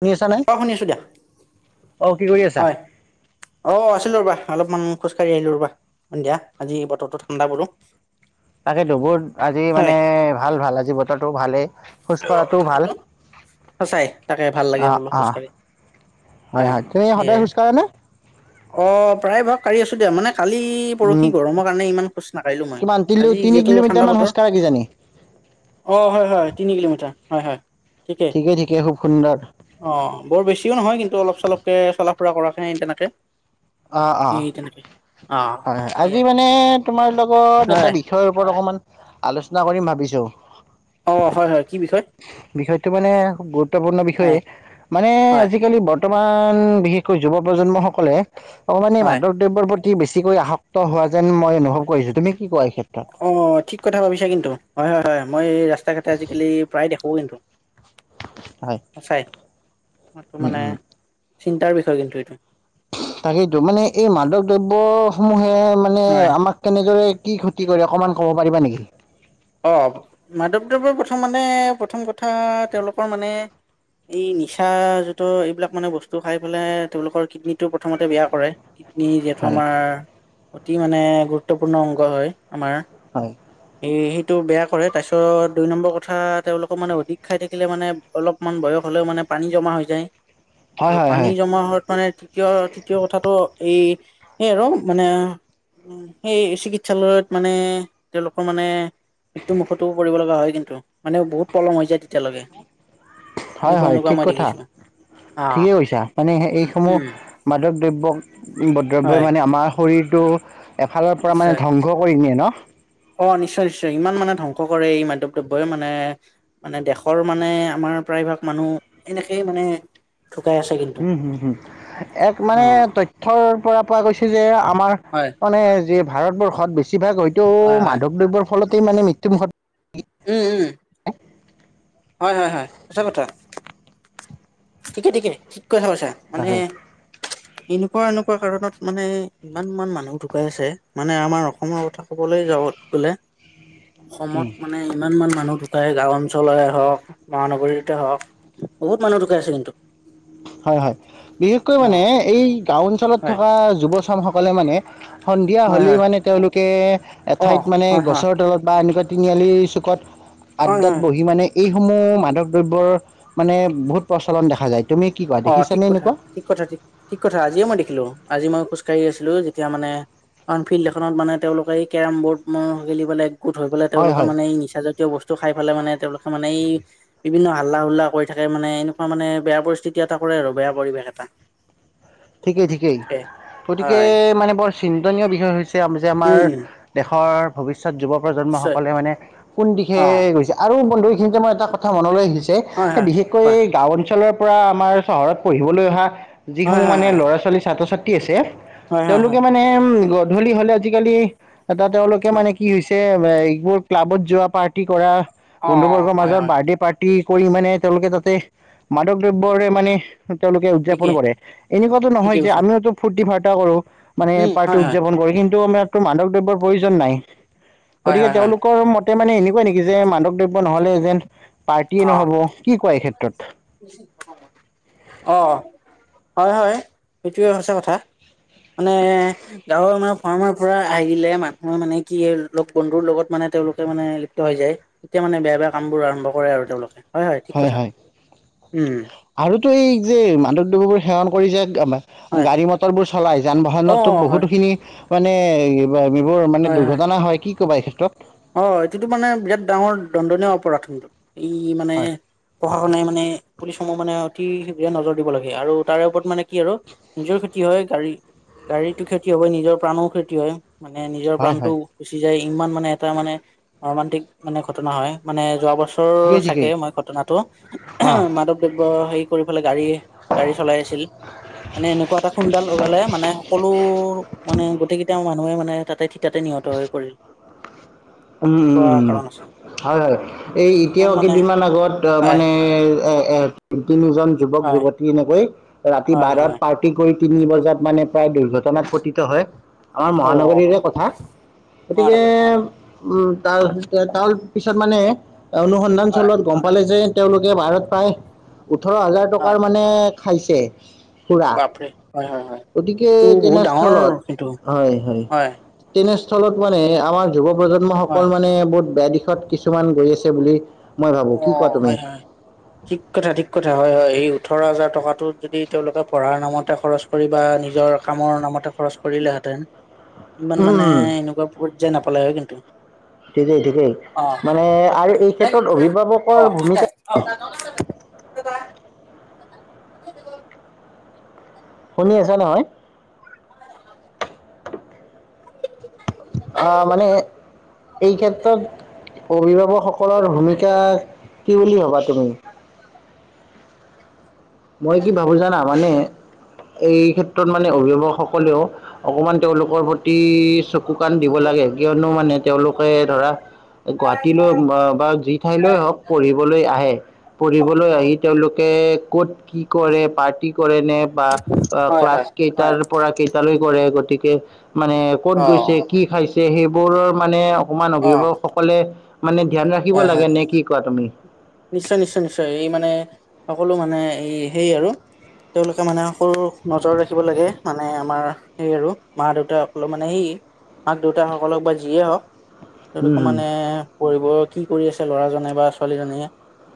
শুনি আছা নে? অ', শুনি আছো দিয়া। অ', কি কৰি আছা? হয় অ', আছিলোঁ ৰ'বা অলপমান খোজ কাঢ়ি আহিলোঁ ৰবা সন্ধিয়া, আজি বতৰটো ঠাণ্ডা বোলো। তাকেতো বোত আজি মানে হয় ভাল ভাল আজি বতৰটো ভালে। অ', তকেতো, সঁচাই তাকে ভাল অ লাগে বোলো অ খোজ কাঢ়ি। হয় হয় তুমি সদায় খোজকাঢ়া নে? অ', প্ৰায় ভাগ কাঢ়ি আছো দিয়া মানে কালি পৰখি উম গৰমৰ কাৰণে ইমান খোজ নাকঢ়িলোঁ মই, কিমান তিলো আজি তিনি যিহেতু কিলোমিটাৰ ঠাণ্ডা মান বতৰ। খোজ কাঢ়া কিজানি অ', হয়, হয় তিনি কিলোমিটাৰ। হয়, হয় ঠিকে। অ বৰ বেছিও নহয় কিন্তু অলপ চলপকে চলা ফুৰা কৰাকে তেনেকে অ অ এই তেনেকে অ হয় হয় এ আজি মানে তোমাৰ লগত এটা হয় বিষয়ৰ ওপৰত অকমান আলোচনা কৰিম ভাবিছো। অ হয় হয় কি বিষয়। বিষয়টো মানে গুৰুত্বপূৰ্ণ বিষয়ে হয় মানে হয় আজিকালিৰ ব বৰ্তমান বিশেষকৈ যুৱ প্ৰজন্ম সকলে অকমানি হয় মাদক কৰ্তব্যৰ প্ৰতি বেছিকৈ আসক্ত হোৱা যেন মই অনুভৱ কৰিছো। তুমি কি কোৱা এই ক্ষেত্ৰত অ ঠিক কথা ভাবিছা কিন্তু হয় হয় হয়। মই ৰাস্তা- ঘাটে আজিকালি প্ৰায় দেখো কিন্তু। হয় চাই এইটো উম মানে উম চিন্তাৰ বিষয় কিন্তু এইটো। তাৰে দুগোনেই এই মাদক দ্ৰব্যসমূহে মানে হয় আমাক কেনেদৰে কি ক্ষতি কৰে অকণমান ক'ব পাৰিবা নেকি? অঁ মাধৱদেৱৰ, প্ৰথম মানে প্ৰথম কথা তেওঁলোকৰ মানে এই নিচা জাত এইবিলাক মানে বস্তু খাই পেলাই তেওঁলোকৰ কিডনীটো, প্ৰথমতে বেয়া কৰে। কিডনী, যিহেতু হয় আমাৰ অতি মানে গুৰুত্বপূৰ্ণ অংগ হয় আমাৰ হয়। স সেইটো বেয়া কৰে তাৰ পিছত দুই নম্বৰ কথা তেওঁলোকক মানে অধিক খাই থাকিলে মানে অলপ অকমান বয়স হলে মানে পানী জমা হৈ যায়। উ আৰু পানী, জমা হাত মানে তৃতীয় তৃতীয় কথাটো এই এই আৰু মানে উ সেই চিকিৎসালয়ত মানে তেওঁলোকৰ মানে। মৃত্যু মুখতো পৰিব লগা হয় কিন্তু মানে বহুত পলম হৈ যায় তেতিয়ালৈকে। হয় এনেকুৱা হয় এনেকুৱা ঠিক মই কথা দেখিছো অ ঠিকেই কৈছা। মানে এইসমূহ উম মাদক দ্ৰব্য দ্ৰব্যই হয় মানে আমাৰ শৰীৰটো এফালৰ পৰা মানে নিশ্চয় ধ্বংস ধ্বংস কৰি নিয়ে ন। অ নিশ্চয় নিশ্চয় ইমান মানে ধ্বংস কৰে এই মাদকদ্ৰব্যই মানে। মানে দেশৰ মানে আমাৰ প্ৰায়ভাগ মানুহ এনেকেই মানে ঢুকাই আছে কিন্তু। উম হুম হুম এক অ মানে তথ্যৰ পৰা পোৱা গৈছে যে আমাৰ হয়। মানে যে ভাৰতবৰ্ষত, বেছিভাগ হয়তো হয় হয় মাদক দ্ৰৱ্যৰ ফলতেই মানে মৃত্যুমুখত উম উম হয় হয় হয় সচা কথা। ঠিকে ঠিকে ঠিক কথা কৈছা মানে থাকে এনেকুৱা এনেকুৱা কাৰণত মানে ইমান মান মানুহ ঢুকাই আছে মানে আমাৰ অসমৰ কথা কবলৈ যাওঁ গলে। অসমত, উম মানে। ইমান মান মানুহ ঢুকাই গাওঁ, অঞ্চলৰে হওক মহানগৰীতে, হওক বহুত মানুহ ঢুক কাই আছে কিন্তু হয় হয় বিশেষকৈ অ মানে এই গাওঁ অঞ্চলত হয় থকা যুৱ চাম সকলে মানে। সন্ধিয়া, হয় হ'লেই হয় মানে তেওঁলোকে অ এঠাইত মানে হয় হয় গছৰ, তলত বা এনেকুৱা তিনি আলিৰ চুকত হয় আড্ডাত হয় বহি মানে। এইসমূহ মাদক দ্ৰব্যৰ মানে বহুত প্ৰচলন দেখা যায়। তুমি কি কোৱা অ ঠিক দেখিছানে কথা এনেকুৱা ঠিক কথা ঠিক কথা আজিয়ে মই দেখিলো আজি মই খোজ কঢ়ি আছিলো যেতিয়া। মানে কাৰণ ফিল্ড এখনত মানে তেওঁলোকে এই কেৰম বৰ্ডে, খেলিবলে একগোট হৈ পেলাই হয় তেওঁলোকে হয় মানে এই নিচা জা তীয় বস্তু খাই পেলাই মানে তেওঁলোকে মানে এই বিভিন্ন হাল্লা- হুল্লা কৰি থাকে মানে এনেকুৱা মানে বেয়া পৰিস্থিতি তি এটা কৰে আৰু বেয়া পৰিৱেশ এটা ঠিকেই ঠিকেই সেইটোৱে গতিকে হয় মানে বৰ চিন্তনীয় বিষয় হৈছে যে আমাৰ। উম দেশৰ ভৱিষ্যত যুৱ নিশ্চয় প্ৰজন্মসকলে মানে কোন দিশে অ গৈছে? আৰু বন্ধু এইখিনিতে মই এটা কথা মনলৈ আহিছে হয় সেই হয় বিশেষ, কৈ কোৱা গাঁও অঞ্চলৰ পৰা আমাৰ চহৰত পঢ়িবলৈ অহা? হয় সমূহ হয় মানে হয় ল'ৰা ছোৱালী ছাত্ৰ ছাত্ৰী আছে হয় হয় তেওঁলোকে হয় মানে উম গধূলি হলে আজিকালি? এটা তেওঁলোকে হয় মানে কি হৈছে এ এইবোৰ ক্লাবত যোৱা পাৰ্টি কৰা। অ বন্ধুবৰ্গৰ হয় মাজত হয় বাৰ্থডে পাৰ্টি, কৰি মানে তেওঁলোকে তাতে মাদক দ্ৰব্যৰে মানে তেওঁলোকে উদযাপন ঠিকেই কৰে। তেনেকুৱাটো নহয় ঠিকেই যে কৈছা আমিওতো ফূ্তি ফাৰ্তা কৰো মানে উম পাৰ্টি হয় হয় উযাপন কৰো কিন্তু আম ক টো মাদক দ্ৰব্যৰ প্ৰয়োজন নাই হয় গতিকে হয় হয় তেওঁলোকৰ মত, তে মানে এনেকুৱাই নেকি যে মাদক দ্ৰব্য নহলে এ যেন পাৰ্টীয়ে অ নহব কি কোৱা এই ক্ষেত্ৰত? অ হয় হয় সেইটোৱে সচা কথা। মানে? গাঁৱৰ মানে ফাৰ্মাৰ পৰা আহিলে মানুহে মানে কি লগ বন্ধুৰ লগত মানে তেওঁলোকে মানে লিপ্ত হৈ যায়। তেতিয়া মানে বেয়া বেয়া কামবোৰ আৰম্ভ কৰে আৰু তেওঁলোকে হয় হয় ঠিক কথা উম। আৰুতো এই যে মাদকদৱবোৰ সেৱন কৰিছে আমাৰ, হয় গাড়ী মটৰবোৰ চলায় যান অ বাহনতো হয় বহুতোখিনি মানে? এ যিবোৰ মানে দুৰ্ঘটনা হয় কি ক'বা এই ক্ষেত্ৰত? অ এইটোটো মানে বিৰাট ডাঙৰ দণ্ডনীয় অপৰাধ কিন্তু। এই মানে হয় প্ৰশাসনে মানে? পুলিচসমূহ মানে অতি শীঘ্ৰে নজৰ দিব লাগে আৰু তাৰে ওপৰত মানে কি আৰু নিজৰ ক্ষতি হয় গাড়ীৰ, গাড়ীৰতো ক্ষতি হবই নিজৰ প্ৰাণও ক্ষতি হয়। মানে নিজৰ হয় হয় প্ৰাণটোও গুচি যায় ইমান মানে এটা মানে মৰ্মান্তিক মানে ঘটনা হয়। মানে যোৱা ঠিকেই বছৰ চাগে ঠিকেই মই ঘটনাটো অঁ মাদক, ব্য হেৰি কৰি পেলাই গাড়ী গাড়ী চলাই আছিল। মানে এনেকুৱা এটা খুন্দাল লগালে মানে সকলো মানে গোটেই কেইটা মানুহে মানে তাতে, থিটাতে নিহত হৈ পৰিল। উম উম এনেকুৱা উ কাৰণ আছে হয় এই ইমান এতিয়াও মানে কেইদিনমান আগত হয় মানে এ এ তিনিজন যুৱক হয় যুৱতী, তেনেকৈ ৰাতি হয় বাৰত হয় পাৰ্টি কৰি তিনি বজাত মানে প্ৰায় দুৰ্ঘটনাত পটিত হয়। আমাৰ অ মহানগৰিৰে হয় কথা গতিকে? উম তাৰ তাৰ পিছত মানে অনুসন্ধান হয় চলোৱাত গম পালে যে, তেওঁলোকে বাৰত প্ৰায় ওঠৰ হাজাৰ হয় টকাৰ মানে খাইছে। পুৰা বাপৰে হয় হয় হয় গতিকে এইটো বহুত ডাঙৰ তেনেস্থলত কিন্তু হয় হয়, তেনেস্থলত মানে আমাৰ যুৱ প্ৰজন্ম সকল হয় মানে বহুত বেয়া দিশত কিছু কিছুমান গৈ আছে বুলি, অ হয় হয়। অ ঠিক কথা ঠিক কথা হয় এই ওঠৰ হাজাৰ টকা যদি তেওঁলোকে পঢ়াৰ নামতে খৰচ, কৰি বা নিজৰ কামৰ নামতে খৰচ কৰিলেহেঁতেন। অ ইমান মানে এনেকুৱা পৰ্যায় নাপালে হয় কিন্তু, ঠিকেই ঠিকেই অ মানে আৰু এই ক্ষেত্ৰত অভিভাৱকৰ ভূমিকা, অ [unintelligible] শুনি আছা নহয়? অ মানে- এই ক্ষেত্ৰত, অভিভাৱকসকলৰ ভূমিকা কি বুলি ভ'বা তুমি? মই কি ভাবো জানা মানে, এই ক্ষেত্ৰত মানে অভিভাৱকসকলেও- অকমান তেওঁলোকৰ প্ৰতি চকু কাণ দিব লাগে কিয়নো মানে তেওঁলোকে ধৰা- গুৱাহাটীলৈ বা যি ঠাইলৈ হওক পঢ়িবলৈ আহে। পঢ়িবলৈ আহি তেওঁলোকে ক'ত- কি কৰে পাৰ্টি কৰে নে বা হয় হয় ক্লাছ হয় কেইটাৰ পৰা কেইটাৰ- তালৈ কৰে গতিকে মানে ক'ত অ গৈছে কি খাইছে সেইবোৰৰ মানে- অকমান অ অভিভাৱকসকলে মানে ধ্যান ৰাখিব হয় হয় লাগে নে কি কোৱা তুমি? নিশ্চয় নিশ্চয় নিশ্চয় এই মানে, সকলো মানে এই হেই আৰু- তেওঁলোকে মানে সৰুক নজৰ ৰাখিব লাগে মানে আমাৰ- সেইয় আৰু মা দেউতাসকলৰ মানে সেই মাক দেউতা সকলক বা যিয়ে হওক। সতোক উম মানে পঢ়িব কি কৰি আছে ল'ৰাজনে বা ছোৱালীজনীয়ে-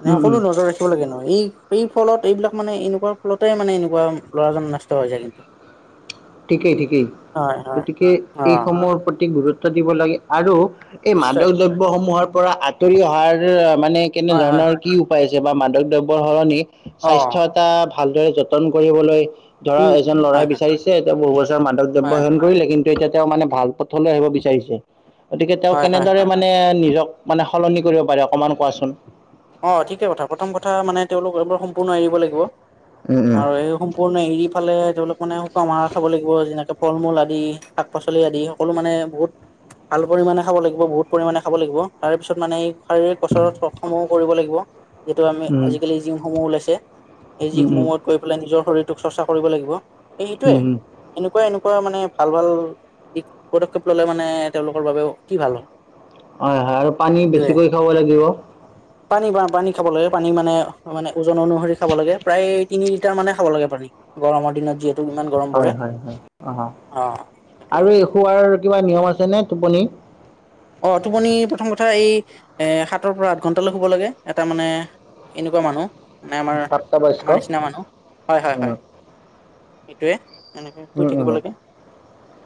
মানে উম উম সকলো উম নজৰ ৰাখিব - লাগে ন এই এই ফলত এইবিলাক মানে এনেকুৱা ফলতে মানে এনেকুৱা ল'ৰাজন নষ্ট হৈ যায় কিন্তু। [unintelligible] ঠিকেই ঠিকেই, হয় হয় গতিকে অ এইসমূহৰ প্ৰতি গুৰুত্ব দিব লাগে আৰু- এই নিশ্চয় মাদক দ্ৰব্যসমূহৰ পৰা আঁতৰি অহাৰ মানে হয় হয় কেনেধৰণৰ- কি উপায় আছে বা মাদক দ্ৰব্যৰ সলনি, অ স্বাস্থ্য এটা ভালদৰে যতন কৰিবলৈ- ধৰা উম এজন উম হয় লৰাই হয় বিচাৰিছে এতিয়া বহু বছৰ মাদক দ্ৰব্য হয় হেন লে কিন্তু এতিয়া তেওঁ মানে ভাল পথলৈ আহিব বিচাৰিছে, গতিকে তেওঁ হয় হয় কেনেদৰে হয় মানে- মানে নিজক মানে সলনি কৰিব পাৰে অকমান কোৱাচোন? অ ঠিকে কথা প্ৰথম কথা মানে তেওঁলোকব সম্পূৰ্ণ এৰিব লাগিব, উম আৰু এই- সম্পূৰ্ণ এৰি ফালে তেওঁলোকক মানে শুকামাৰ খাব লাগিব যেনেকৈ ফল মূল আদি শাক পাচলি আদি- সকলো মানে বহুত- ভাল পৰিমাণে খাব লাগিব বহুত পৰিমাণে খাব লাগিব তাৰ পিছত মানে শাৰীৰিক গচৰসমূহ- কৰিব লাগিব, যিহেতু আমি উম উম আজিকালি জিমসমূহ ওলাইছে এই উম জিমসমূহত- গৈ পেলাই নিজৰ শৰীৰটোক চৰ্চা কৰিব লাগিব এই উম সেইটোৱে উম উম এনেকুৱা এনেকুৱা মানে ভাল ভাল- ই পদক্ষেপ ললে মানে তেওঁলোকৰ বাবে কি ভাল হয়? হয় হয় আৰু পানী সেইটোৱে বেছিকৈ খাব লাগিব। পানী বা পানী খাব লাগে পানী মানে মানে ওজন অনুসৰি খাব লাগে প্ৰায় তিনি লিটাৰ মানে খাব লাগে পানী। গৰমৰ দিনত যিহেতু। ইমান গৰম পৰে হয় হয় হয় অ, সেইটোৱে আৰু এই সেইটোৱে শুৱাৰ কিবা নিয়ম আছে নে টোপনি? অ টোপনি প্ৰথম কথা এই এ, সাতৰ পৰা আঠ ঘণ্টালৈ শুব লাগে এটা মানে- এনেকুৱা মানুহ মানে, আমাৰ প্ৰাপ্তবয়স্ক আমাৰ নিচিনা মানুহ হয় হয় হয়। উম, সেইটোৱে এনেকে শুই উম, উম। থাকিব লাগে,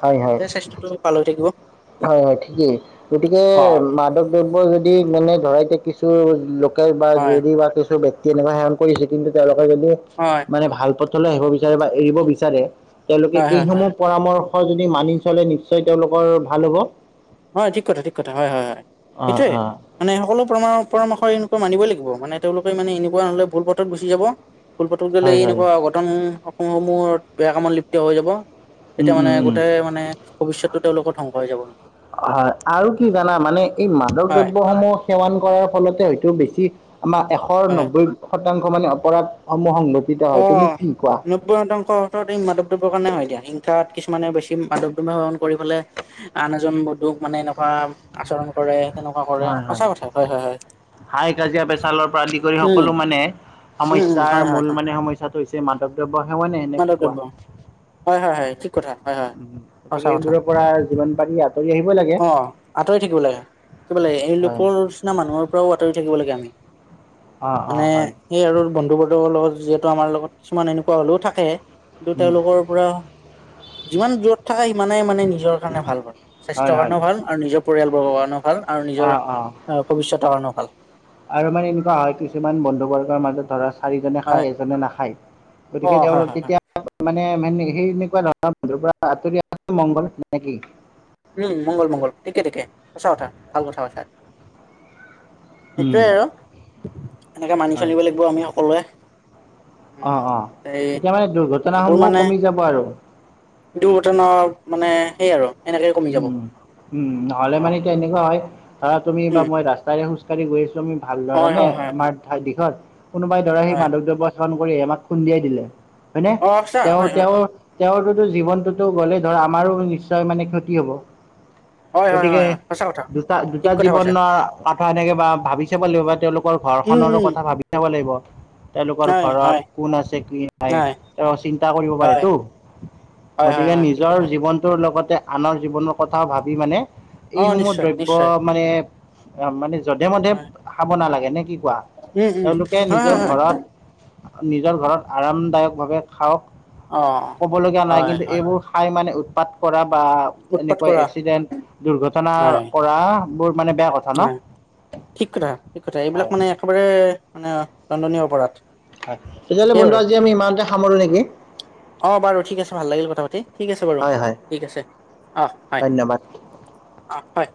হয় হয় তেতিয়া স্বাস্থ্যটো ভাল হৈ থাকিব। হয় হয় ঠিকেই গতিকে অ মাদক দ্ৰব্য যদি মানে ধৰাই কিছু- বা হয় হয় যদি বা কিছু ব্যক্তি এনেকুৱা সেৱন কৰিছে কিন্তু তেওঁলোকে যদি- হয়। মানে ভাল পথলৈ আহিব বিচাৰে বা এৰিব বিচাৰে, তেওঁলোকে হয় হয় এইসময়ত- পৰামৰ্শ যদি মানি চলে নিশ্চয় তেওঁলোকৰ ভাল হ'ব। হয় ঠিক কথা ঠিক কথা হয় হয় হয় অ এইটোয়ে। অ মানে সকলো পৰামৰ্শ এনেকুৱা মানিবই লাগিব মান তেওঁলোকে মানে এনেকুৱা নহলে ভুল পথত গুচি যাব। ভুলপথত গলে হয় হয় এনেকুৱা অঘটন সমূহত বেয়া কামত লিপ্ত হৈ যাব। উম তেতিয়া মানে উম উম গোটেই মানে ভৱিষ্যতটো তেওঁলোকৰ ধ্বংস হৈ যাব কিন্তু হয় আৰু কি জানা মানে এই মাদক হয় দ্ৰব্যসমূহ সেৱান কৰাৰ ফলতে হয়তো বেছি আমাৰ এশ হয় নব্বৈ শতাংশ মানে অপৰাধসমূহ হয় অ তুমি কি কোৱা? তাংশ অৰ্ এই মাদৱদ্ৰবৰ কাৰণে হয় দিয়া হিংসাত কিছুমানে বেছি মাদৱদ্ৰব সেৱন কৰি পেলাই আন এজন বন্ধুক মানে এনেকুৱা আচৰণ কৰে তেনেকুৱা কৰে সচা কথা হয় হয় হয়। হাই কাজিয়া পেচালৰ পৰা আদি কৰি উম সকলো মানে উম উম সমস্যাৰ হয় হয় মূল হয় মানে সমস্যয়াটো হৈছে মাদৱ দ্ৰব্য সেৱা নে নে মাদক কি কোৱা? দ্ৰব্য হয় হয় হয় ঠিক কথা হয় হয় সঁচা গতিকে কথা এইবোৰৰ পৰা যিমান পাৰি আঁতৰি আহিব লাগে। অ আঁতৰি থাকিব লাগে কি ব ললে এই হয় লোকৰ নিচিনা মানুহৰ পৰাও আঁতৰি থাকিব লাগে আমি। অ অ মানে হয় সেই আৰু বন্ধু বান্ধৱৰ লগত যিহেতু আমাৰ লগত কিছুমান এনেকুৱা হলেও থাকে। থে কিন্তু তেওঁলোকৰ পৰা যিমান দূৰত থাকে সিমানেই মানে নিজৰ কাৰণে ভাল ভাল হয় স্বাস্থ্যৰ হয় কাৰণেও ভাল আৰু নিজৰ পৰিয়ালবৰ্গৰ কাৰণেও ভাল। ভাল আৰু অ নিজৰ অ ভৱিষ্যতৰ কাৰণেও ভাল। আৰু মানে এনেকুৱা হয় কিছুমান বন্ধু বৰ্গৰ মাজত ধৰা চাৰিজনে হয় খায় এজনে নাখায় অ গতিকে হয় তেওঁলোক হয় হয় তেতিয়া মানে সেই এনেকুৱা ধৰণৰ বানধৰ পৰা আঁতৰি মংগল নে কি উম মংগল মংগল ঠিকে ঠিকে সচাঁ কথা ভাল কথা আচা। উম। সেইটোৱে আৰু এনেকে মানি হয় চলিব লাগিব আমি সকলোৱে। অ উম অ এই এতিয়া মানে দুৰ্ঘটনা সমূহো কমি যাব আৰু দুৰ্ঘটনাৰ মানে সেই আৰু এনেকে কমি যাব উম উম অ নহলে মানে এতিয়া এনেকুৱা হয় ধৰা তুমি বা উম মই ৰাস্তা গৈ আছো আমি ভাল হয় ধৰণে হয় হয় আমাৰ হয় ঠাই দিশত কোনোবাই দৰা সেই হয় মাদক দ্ৰৱ্য কৰি আমাক খুন্দিয়াই দিলে হয়নে অ সঁচা তেওঁ হয় হয় তেওঁ তেওঁৰ জীৱনটোতো গ'লেই ধৰ আমাৰো নিশ্চয় মানে ক্ষতি হ'ব। হয় হয় গতিকে হয় হয় সঁচা কথা দুটা দুটা ঠিক কথা কৈছা জীৱনৰ কথা এনেকে বা ভাবি চাব লাগিব বা তেওঁলোকৰ ঘৰ উম খনৰো উম কথা ভাবি চাব লাগিব। তেওঁলোকৰ হয় হয় ঘৰত কোন আছে কি নাই হয় তেওঁ চিন্তা কৰিব হয় পাৰেতো হয় হয় গতিকে হয় ঠিক নিজৰ কথা জীৱনটোৰ লগতে আনৰ জীৱনৰ কথাও ভাবি মানে অ এইসমূহ নিশ্চয় দ্ৰব্য নিশ্চয় মানে অ মানে যধে মধে হয় খাব নালাগে নে কি কোৱা উম উম তেওঁলোকে হয় নিজৰ হয় হয় ঘৰত নিজৰ ঘৰত আৰামদায়ক ভাৱে খাওক অ কবলগীয়া নাই হয় কিন্তু হয় এইবোৰ ঠাই মানে উৎপাত কৰা বা উৎপাত এনেকৈ কৰা এক্সিডেণ্ট দুৰ্ঘটনা হয় কৰা বোৰ মানে বেয়া কথা ন। হয় ঠিক কথা, ঠিক কথা এইবিলাক হয় মানে একেবাৰে মানে দণ্ডনীয় অপৰাধ। তেতিয়া হ'লে ঠিকেই বন্ধু বাৰু আজি আমি ইমানতে সামৰো নেকি। অ', বাৰু ঠিক আছে ভাল লাগিল কথা পাতি, ঠিক আছে, বাৰু হয় হয় ঠিক আছে, অ, হয়। ধন্যবাদ। অ হয়।